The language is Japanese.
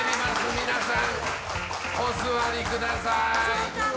皆さん、お座りください。